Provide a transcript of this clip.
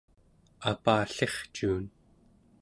apallircuun